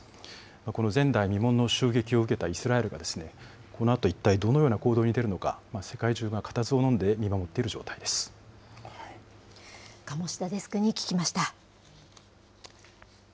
この前代未聞の襲撃を受けたイスラエルが、このあと一体どのような行動に出るのか、世界中が固唾鴨志田デスクに聞きました。